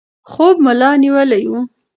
خوب ملا نیولی و.